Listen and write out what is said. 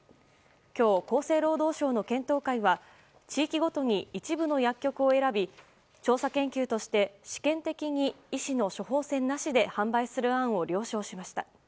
今日、厚生労働省の検討会は地域ごとに一部の薬局を選び調査研究として試験的に医師の処方箋なしで販売する案を了承しました。